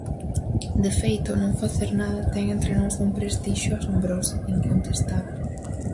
De feito, non facer nada ten entre nós un prestixio asombroso, incontestable.